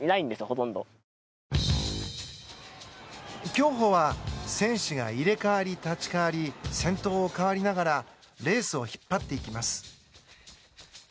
競歩は選手が入れ代わり立ち代わり先頭を代わりながらレースを引っ張っていきます。